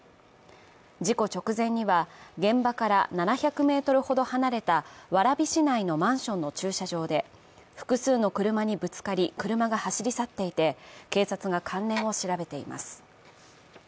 事故直前には現場から７００ｍほど離れた蕨市内のマンションの駐車場で複数の車にぶつかり車が走り去っていて、警察が関連を調べています。